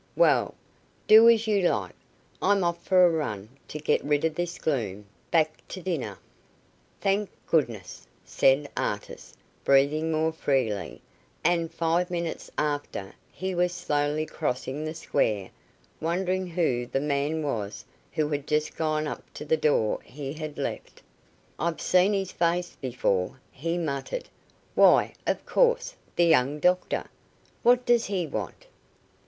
"Well, do as you like. I'm off for a run, to get rid of this gloom. Back to dinner." "Thank goodness!" said Artis, breathing more freely, and five minutes after he was slowly crossing the square, wondering who the man was who had just gone up to the door he had left. "I've seen his face before," he muttered. "Why, of course, the young doctor. What does he want?"